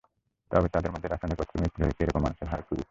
তবে তাদের মধ্যে রাসায়নিক অস্ত্রে মৃত্যু হয়েছে—এ রকম মানুষের হার খুবই কম।